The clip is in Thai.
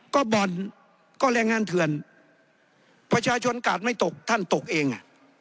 ก็บ่อนก็แรงงานเถื่อนประชาชนกาดไม่ตกท่านตกเองอ่ะ